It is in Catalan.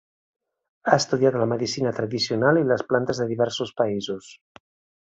Ha estudiat la medicina tradicional i les plantes de diversos països.